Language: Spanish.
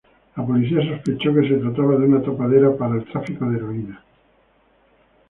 La policía sospechó que se trataba de una tapadera para el tráfico de heroína.